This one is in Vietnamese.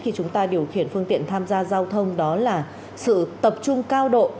khi chúng ta điều khiển phương tiện tham gia giao thông đó là sự tập trung cao độ